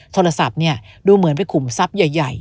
โทรศัพท์ดูเหมือนไปขุมทรัพย์ใหญ่